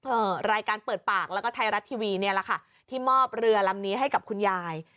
รายการเปิดปากแล้วก็ไทยรัฐทีวีเนี่ยแหละค่ะที่มอบเรือลำนี้ให้กับคุณยาย